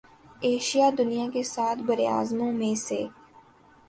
Asia دنیا کے سات براعظموں میں سے